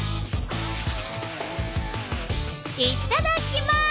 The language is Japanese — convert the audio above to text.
いっただきます！